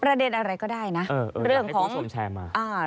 พระเด็นอะไรก็ได้นะ